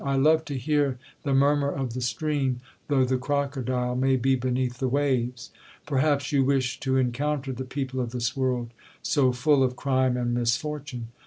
'I love to hear the murmur of the stream, though the crocodile may be beneath the waves.'—'Perhaps you wish to encounter the people of this world, so full of crime and misfortune.'